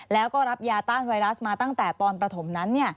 แล้วก็รับยาต้านไวรัสมาตั้งแต่ตอนประถมนั้น